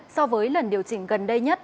so với lần điều chỉnh gần đây nhất